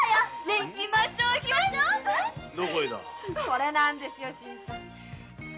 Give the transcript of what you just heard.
これなんですよ新さん。